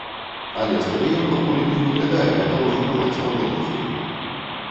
Але стадыён пакуль не выглядае гатовым прымаць спаборніцтвы.